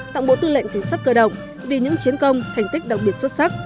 tặng bộ tư lệnh cảnh sát cơ động vì những chiến công thành tích đặc biệt xuất sắc